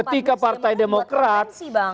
untuk konvensi bang